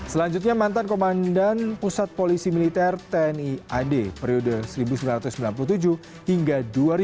selanjutnya mantan komandan pusat polisi militer tni ad periode seribu sembilan ratus sembilan puluh tujuh hingga dua ribu dua puluh